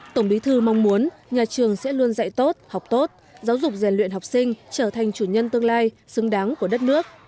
tổng bí thư mong muốn nhà trường sẽ luôn dạy tốt học tốt giáo dục rèn luyện học sinh trở thành chủ nhân tương lai xứng đáng của đất nước